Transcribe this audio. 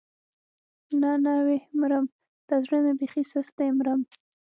نه نه ويح مرم دا زړه مې بېخي سست دی مرم.